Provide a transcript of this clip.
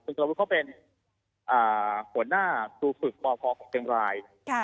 คุณสลาวุธเขาเป็นหัวหน้าสูตรฝึกบคเจมราย